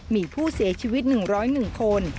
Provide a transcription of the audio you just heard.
มีผู้เสียชีวิต๑๐๑คน